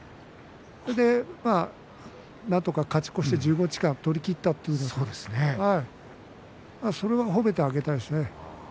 で、なんとか勝ち越して１５日間取りきったということでそれは褒めてあげたいですね。